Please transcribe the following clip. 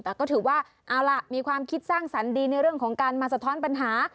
แต่ก็ถือว่าเอาล่ะมีความคิดสร้างสรรค์ดีในเรื่องของการมาสะท้อนปัญหา